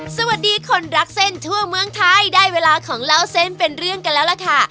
สวัสดีคนรักเส้นทั่วเมืองไทยได้เวลาของเล่าเส้นเป็นเรื่องกันแล้วล่ะค่ะ